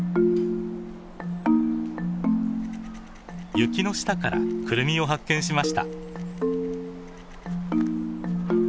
雪の下からクルミを発見しました。